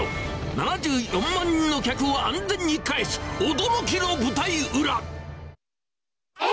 ７４万人の客を安全に帰す、驚きの舞台裏。